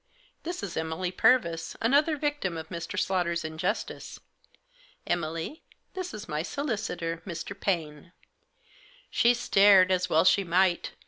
"This is Emily Purvis, another victim of Mr. Slaughter's injustice. Emily, this is my solicitor, Mr. Paine." She stared, as well she might.